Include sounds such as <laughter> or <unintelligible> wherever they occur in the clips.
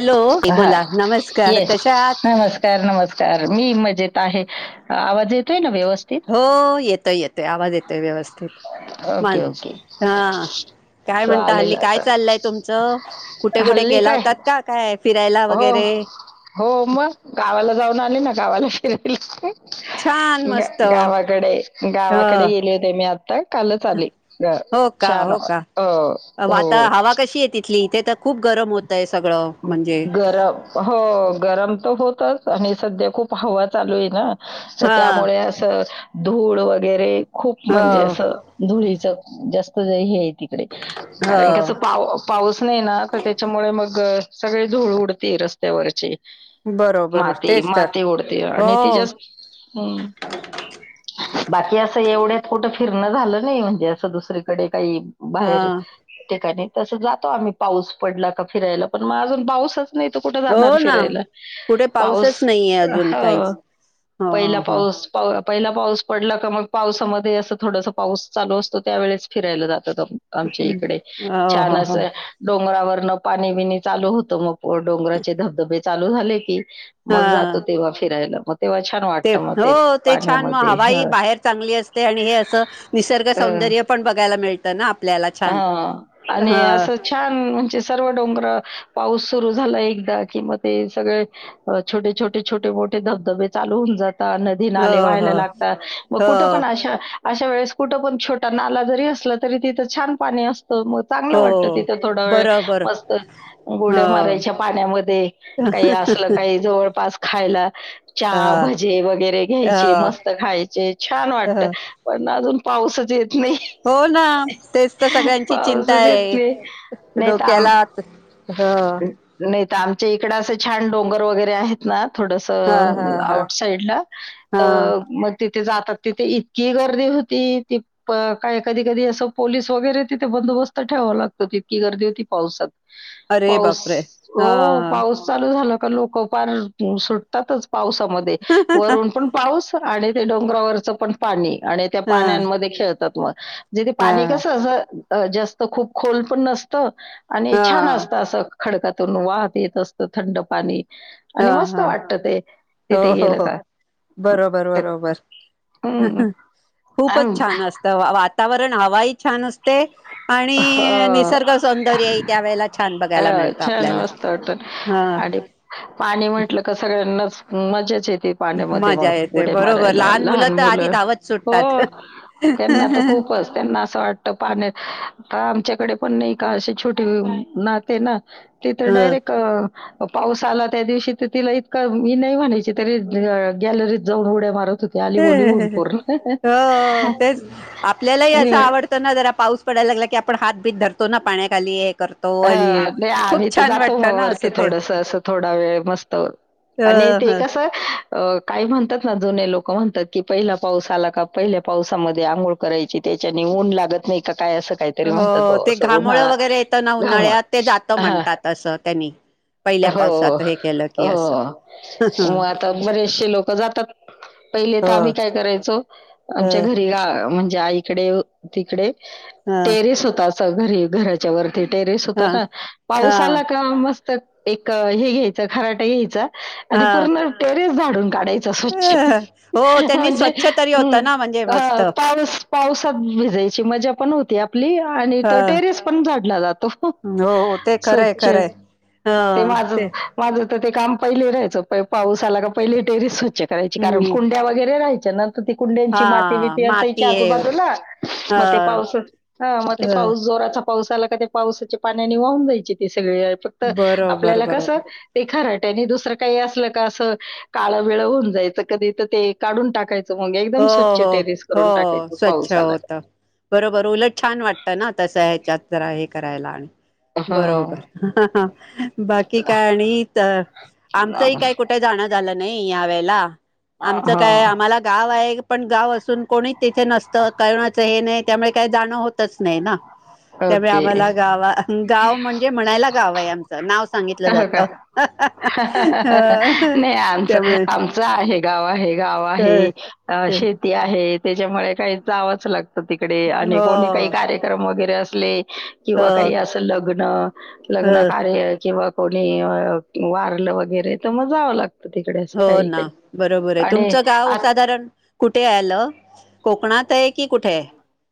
Hello हा बोला नमस्कार येस कशा आहात नमस् कार नमस्कार मी मजेत आहे, आवाज येतोय ना व्यवस्थित? हो येतोय येतोय आवाज येतोय व्यवस्थित, मान ओके ओके हा. काय म्हणता हल्ली? चालेल काय आता चाललंय तुमचं? कुठे कुठे हल्ली गेला काय होतात का काय फिरायला हो वगैरे? हो मग, गावाला जाऊन आले ना गावाला फिराल छान ग मस्त ह गावाकडे गावा कडे गेले होते मी आता कालच आले, हो का छान हो का अं हो किली तर खूप गरम होतय सगळं म्हणजे गरम हो गरम तर होतच आणि सध्या खूप हवा चालू आहे ना तर हा त्यामुळे तर धूळ वगैरे खूप हो म्हणजे असं धुळीच जास्त हे ती अरे कारण कस हो पाऊ पाऊस नाही ना तर त्याच्यामुळे मग सगळी धूळ उडते. रस्त्यावरची बरोबर हा ते तेच तर माती उडते. आणि ती हो ज्याचं हम्मं बाकी असं एवढ्यात कुठ फिरणं झालं नाही. म्हणजे असं दुसरीकडे काही. हा बाहेर ठिकाणी तस, जातो आम्ही पाऊस पडला का, फिरायला पण म अजून पाऊसच- नाय त कुठं जाणार हो ना फिरायला कुठे पाऊस पाऊसच नाहीये अजून ह- काहीच हो पहिला हो पाऊस पाऊ पहिला पाऊस पडला का मग पावसामध्ये असं थोडस पाऊस चालू असतो त्या वेळेस फिरायला जातात आम्ही - हो आमच्या इकडे छान हो हो असं, डोंगरावरन पाणी बीणी चालू होतं मग, डोंगराचे धबधबे चालू झाले की, हा मग, जातो तेव्हा फिरायला मग तेव्हा छान ते वाटतं मग हो ते छान म पाण्यामध्ये. हवा ही हं. बाहेर चांगली असते. आणि हे असं, निसर्ग हं. सौंदर्य पण बघायला मिळतं ना आपल्याला छान हां. अ आणि ह असं छान म्हणजे सर्व डोंगर पाऊस सुरू झाला. एकदा की, म ते सगळे, छोटे, छोटे, छोटे मोठे धबधबे चालू होऊन जाता ते हो नाले व्हायला हो लागता. मग कुठं हो पण अशा- अशा वेळेस कुठं पण छोटा नाला जरी असला तरी तिथं छान पाणी असतो. मग चांगलं हो वाटत तिथं थोड वेळ बरोबर मस्त, हो उड्या मारायच्या पाण्यामध्ये म हे असलं काही जवळपास खायला ह चहा, भजे वगैरे ह घ्यायचे. मस्त खायचे छान वाटत. ह पण अजून पाऊसच येत नाय. हो ना तेच त सगळ्यांची चिंता पाऊसच येत आये नाही. डोक्याला हा नाय त आमच्या इकड असं छान डोंगर वगैरे आहे ना थोडस हा हा हा आऊट साईड ला हा त मग तिथे जातात. तिथे इतकी गर्दी होते. तीत का काय कधी कधी असं पोलीस वगैरे तिथे बंदोबस्त ठेवावा लागतो. तितकी गर्दी होती पावसात. अरे पाऊस बापरे ओ हा हा पाऊस चालू झाला का लोक पार <unintelligible> सुटताच पावसामध्ये वरून पण पाऊस आणि ते डोंगरावरच पण पाणी आणि त्या हा पाण्यांमध्ये खेळतात म जे ते पाणी कसं असं जास्त खूप खोल पण नसत. आणि हा छान असत असं खडकातून वाहत येत असत थंड पाणी आणि हा मस्त हा वाटत ते हो तिथे हो गेलं हो, का. बरोबर बरोबर तर हं. खूपच अं, छान असतं. वातावरण हवा ही छान असते. आणि हो. अ, निसर्ग सौंदर्य ही त्यावेेळेला छान बघायला अ, मिळतं छान आपल्याला मस्त वाटतं. ह आणि पाणी म्हंटलं का सगळ्यांनाच मजाच येते. पाण्यामध्ये म मजा येते उड्या बरोबर मारायला लहान तर आधी मुलं धावत सुटतात हो त्यांना त खूपच, त्यांना असं वाट पाण्यात हा आमच्याकडे पण नाय का छोटे वाहते ना तिथ ह डायरेक्ट अ म पाऊस आला त्या दिवशी त तिला इतकं, मी नाही म्हणायची तरी गॅलरीत जाऊन उड्या मारत होत हो ओ तेच आपल्यालाही असं आवड तो ना जरा पाऊस पडायला लागला की, आपण हात बित धरतो ना पाण्याखाली हे कर ह नाय आम्ही त जातो म असं वरती ते थोडस असं थोडा वेळ मस्त अ आणि ते ह कसं अ काही म्हणतात ना, जुने लोक म्हणतात की, पहिला पाऊस आला का पहिल्या पावसामध्ये आंघोळ रायची त्यांच्या नी ऊन लागत नाही का काय असं काहीतरी म्हणतात भा हो असं घामोळं उन्हाळा. वगैरे ते येतं ना घामा उन्हाळ्यात ते जात हां. म्हणतात असं त्यांनी पहिल्या हो पावसात हे केलं की हो असं मग आता बरेचशे लोक जातात पहिले हो. तर आम्ही काय करायचो ह आमच्या घरी ग म्हणजे आई तिकडे तिकडे ह टेरेस होता असा घरी घराच्या वर टेरेस ह होत ना हा पावसाला का मस्त एक हे घ्यायचं खराटा घ्यायच. आणि हा. पूर्ण टेरेस झाडून काढायचं स्वच्छ हो त्यांनी म्हणजे स्वच्छ तरी हम्म. होतं ना म्हणजे अ मस्त. पावस पावसात भिजायची मजा पण होती आपली आणि ह टेरेस पण झाडतो झाडला जातो हो हो, ते खरंय स्वच्छ खरंय. ह ते माझं माझं तर ते काम पहिले राहायचं प पाऊस आला का पहिले टेरिस स्वच्छ करायचं करायची कारण हम्म कुंड्या वगैरे राहायच्या ना ती कुंड्यांची हा माती बीती असायची माती हे. आजूबाजूला ह मग ते पाऊस हा मग ते ह पाऊस जोराचा पाऊस आला का ते पावसाच्या पाण्याने वाहून जायचं ते सगळी तर बरोबर आपल्याला बरोबर. कसं ते खराटनी दुसरं काही असलं का असं काळं वेळ होऊन जायचं कधी तर ते काढून टाकायचं मग हो एकदम स्वच्छ हो टेरिस करून हो टाकायचं स्वच्छ पाऊस आला. होत. बरोबर उलट छान वाटतं ना तसं ह्याच्यात जरा हे करायला आणि. हो बरोबर बाकी काय आणि तर आमचंही काय कुठे जाणं झालं नाही या वेळेला आमचं हा काय आम्हाला गाव आहे पण गाव असून कोणी तिथे नसतं कोणाचं हे नाही त्यामुळे काही जाणं होतच नाही ना त्यामुळे ओके आम्हाला गाव गाव म्हणजे म्हणायला गाव आहे आमचं नाव सांगितलं हो का जातं. ह हं हं त्यामुळे. हे गाव आहे हे गाव अं, आहे हो शेती आहे त्यांच्यामुळे काही जावंच लागतं. तिकडे आणि कोणी काही हो कार्यक्रम वगैरे असले किंवा हो काही असं लग्न. ह लग्न कार्य किंवा कोणी वारलं वगैरे तर मग जावं लागतं. तिकडे असं हो ना काही-काही. बरोबर आहे आणि तुमचं गाव आत साधारण कुठे आलं कोकणात आहे की कुठे आहे.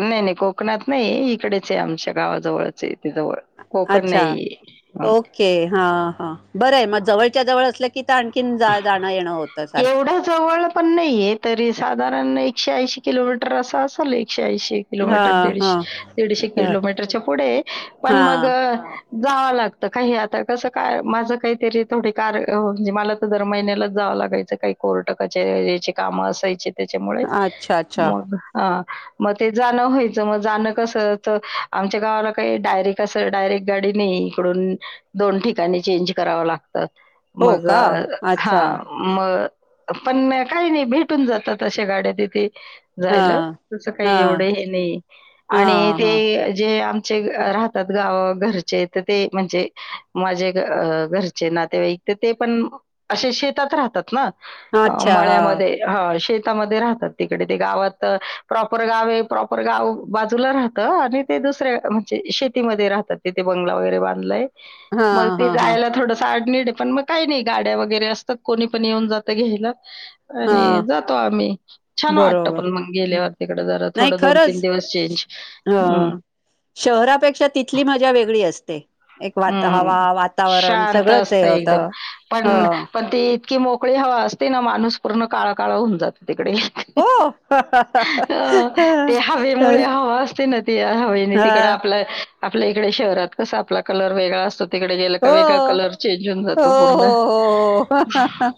नाही नाही कोकणात नाही इकडेच आहे आमच्या गावाजवळच आहे जवळ. कोकण अच्छा नाहीये. हं. ओके हा हा बरं आहे मग जवळच्या जवळ असलं की तर आणखी कन जा जाण येणं होत सारखं एवढ्या जवळ पण नाहीये तरी साधारण एकशे ऐंशी किलोमीटर असं असेल एकशे ऐंशी किलोमीटर हा हा दीडशे दीडशे ह किलोमीटरच्या पुढे पण मग हा जावं लागत काही आता कसं काय माझं काहीतरी थोडी कार म्हणजे मला दर महिन्यालाच जावं लागायचं काही कोर्ट कचेरीची कामं असायचीच त्यांच्यामुळे अच्छा अच्छा मग ह मग ते जाणं व्हायचं मग जाणं कसं तर आमच्या गावाला काही डायरेक्ट तस डायरेक्ट गाडी नाही इकडून दोन ठिकाणी चेंज कराव लागतं हो मग का हा अच्छा मग पण काही नाही भेटून जातात अशा गाड्या तिथे हा जायलं तुझं हा काही एवढं हे नाही हा आणि हा ते जे आम जे राहतात गावा घरचे तर ते म्हणजे माझे घरचे नातेवाईक ते ते पण असे शेतात राहतात ना अच्छा हा मळ्यामध्ये ह शेतामध्ये राहतात तिकडे ते गावात प्रॉपर गावे प्रॉपर गाव बाजूला राहतं आणि ते दुसऱ्या म्हणजे शेतीमध्ये राहतात तिथे बंगला वगैरे बांधलाय हा मग ते हा हा जायला थोडस आड, निड पण मग काही नाही. गाड्या वगैरे असतात. कोणी पण येऊन जातं घ्यायला हा आणि जातो आम्ही. छान वाटतं बरोबर पण मग हं. गेलेवर तकडे जरा थोडं दोन, तीन दिवस चेंज. अ हं, शहरापेक्षा तिथली मजा वेगळी असते. एक वात हं. हवा वातावरण शांत सगळंच हे असतं एकदम. होतं. ह... पण पण ती इतकी मोकळी हवा असते ना, माणूस पूर्ण काळा, काळ होऊन जातो तिकडे. हो हा अ ते हवेमुळे हवा असते ना ती हवेने तिकड. आप आपल्या इकडे शहरात कस आपला कलर वेगळा असतो. तिकडे गेला का हो वेगळा हो कलर चेंज होऊन जातो हो पूर्ण. हो हो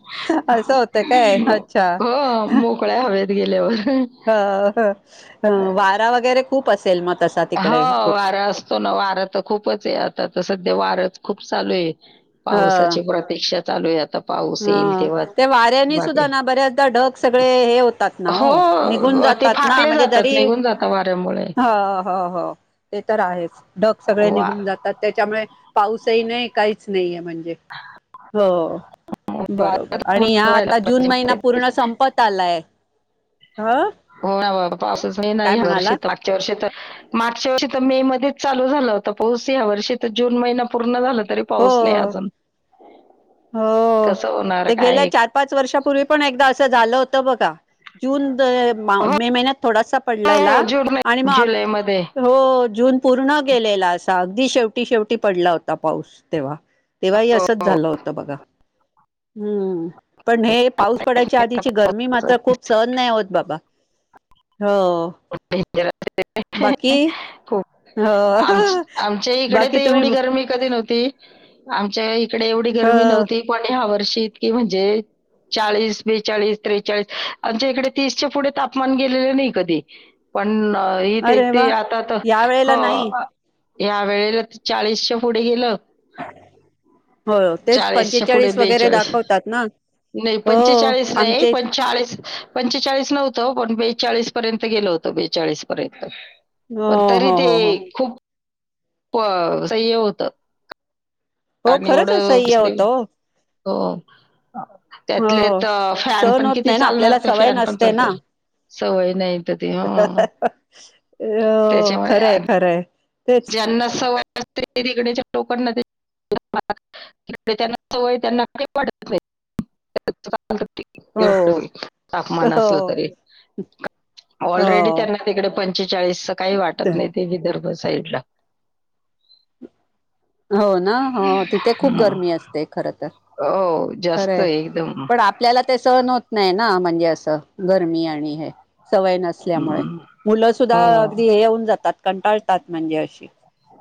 असं होतं काय, अच्छा! <inaudible> क हवेत गेल्यावर. ह वारा वगैरे खूप असेल मग <inaudible> तस हा वारा असतो ना वारा तर खूपच आहे. आता तर सध्या वाराच खूप चालू आहे. ह पावसाची प्रती्षा चालू आहे आता. पाऊस हा येईल तेव्हा ते वाऱ्यानी सुद्धा बाकी ना बऱ्याचदा ढग सगळे हे होतात ना हो, निघून जात. ते <inaudible> ात ना फाकले म्हणजे जातात जरी निघून जातात वाऱ्यामुळे. ह, हो, हो. ते तर आहेच, ढग सगळे वा निघून जातात. त्याच्यामुळे पाऊसही नाही काहीच नाहीये म्हणजे. हो. वारा बरोबर तर आणि ह्या बंद व्हायला आता जून महिना पूर्ण संपत आलाय. ह हो ना बा <inaudible> बा असच मी काय नाही <inaudible> म्हणालात वर्षगच्या वर्षी तर <inaudible> मार्चच्या वर्षी तर मे मध्येच चालू झाला होता <inaudible> पाोस या वर्षी तर जून महिना पूर्ण झाला तरी. <inaudible> <inaudible> हो पाहोचणे अजून हो, कसं होणार ते गेल्या काय च पाच <inaudible> वर्षापूर् पण एक अस झालं होत बघा जून हो मे महिन्यात थोडासा. <inaudible> पड हो हो जून <inaudible> नाही, मग जुलै मध्ये हो जून पूर्ण गेलेला असा अगदी शेवटी, शेवटी पडला होता पाऊस तेव्हा. तेव्हाही हो असंच हो झालं होतं बघा. हम्म, पण हे पाऊस पडायच्या आधीची गरमी मात्र खूप सहन नाही होत <inaudible> बाबा हो. रा बाकी <unintelligible> <inaudible> हो खप आम आमच्या इकडे तर बाकी तुम्ही एवढी हो गरमी कधी नव्हती. आमच्या इकडे एवढी गर्मी नव्हती. पण ह्या वर्षीत <inaudible> की म्हणजे. चाळीस, बेचाळीस, त्रेचाळीस आमच्या इकडे. तीस पुढे तापमान गेलेलं नाही कधी. पण ह ते अरे ते वा आता तर या हो. वेळेला नाही या वेळेला चाळीसच्या पुढे गेलं. हो तेच चाळीसच्या पुढे पंचेचाळीस वगैरे, बेचाळीस दाखवतात ना. नाही हो पंचेचाळीस नाही आमचे <inaudible> पंचेचाळीस पंचेचाळीस नव्हतं पण बेचाळीस पर्यंत गेलो होतो. बेचाळीस पर्यंत, हो पण तरी हो ते हो हो खूप <inaudible> स होत. हो आणि <inaudible> खरंच एवढंस असह्य होतं <inaudible> हो हो त्यातले हो तर फॅन सहन पण होत किती नाही ना चालणार आपल्याला ते सवय फॅन पण नसते ना चालत. सवय नाही तर, अ खरंय, खरंय तेच. <unintelligible> <inaudible> त्यांना सवयडेच्या लोकांना <inaudible> तडे त्यांना सवय त्यांना का <inaudible> वाटत नाही हो एव तापमान असलं हो तरी ऑलरेडी त्यांना हो तिकडे पंचेचाळीस काही वाटत नाही ते विदर्भ साईड ला हो ना हो तिथे खूप हम्म. गर्मी असते खर तर हो जास्त खरंय आहे एकदम पण आपल्याला ते सहण होत नाही ना म्हणजे असं गरमी आणि हे सवय नसल्यामुळे हम्म. मुलं सुद्धा हो अगदी हे येऊन जातात कंटाळतात म्हणजे अशी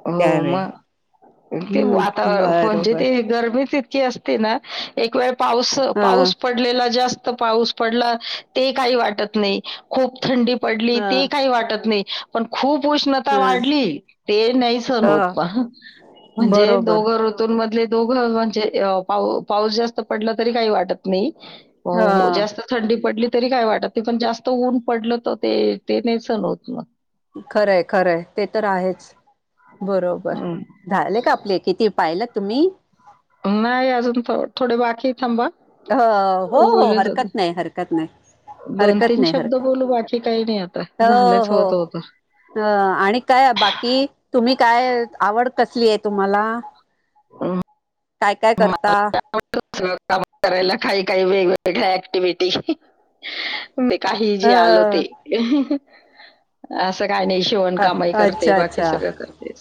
हो त्यावेळ मग ते हम्म वातावरण म्हणजे बरोबर ते गरमी इतकी असते ना एक वेळ पाऊस हा पाऊस पडलेला जास्त पाऊस पडला ते काही वाटत नाही खूप थंडी पडली हा ते काही वाटत नाही पण खूप उष्णता हा वाढली ते नाही सहन होत हा पण म्हणजे बरोबर दोघ ऋतू मधले दोघ म्हणजे पाऊस जास्त पडला तरी काही वाटत नाही हो हा जास्त थंडी पडली तरी काय वाटत त पण जास्त ऊन पडलं तर ते ते नाहीं सहन होत मग खरंय खरंय ते तर आहेच बरोबर हं. झाले का आपले किती पाहिल तुम्ही नाही अजून थोडे बाकी थांबा अ हो हो हरकत नाही हरकत नाही दोन हरकत तीन नाही शब्द हरकत बोलू बाकी काही नाही आता हो झालेच हो होत होत अ आणि काय बाकी तुम्ही काय आवड कसली आहे तुम्हाला अ काय काय करता काम करायला काही काही वेगवेगळ्या ऍक्टिव्हटी ते काही ह जे आल ते असं काही नाही शिवणकाम कामही करते अच्छा बाकी अच्छा सगळं करते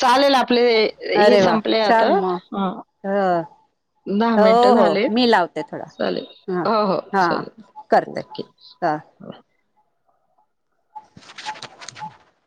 चालेल आपले हे अरे वा संपले आता. छान म हां. हा हो मिनिटं हो झाले. मी लावते थोडा चालेल. हा हो, हो. हा चालेल. करते ओके. हां <unintelligible>